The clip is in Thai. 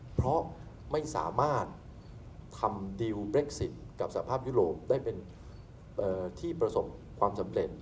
เพราะไม่สามารถทำดีลเบคซินกับสภาพยุโรปได้เป็นที่ประสบความสำเร็จ